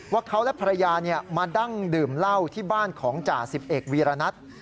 ว่าเขาและภรรยามาดั้งดื่มเหล้าที่บ้านของจ่าสิบเอกวีรณัท